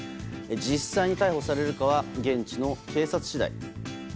実際に逮捕されるかは現地の警察次第。